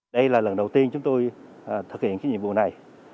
đây là lần đầu tiên chúng tôi thực hiện cái nhiệm vụ này